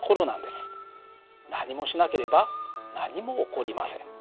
何もしなければ何も起こりません。